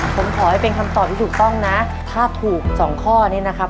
ผมขอให้เป็นคำตอบที่ถูกต้องนะถ้าถูกสองข้อนี้นะครับ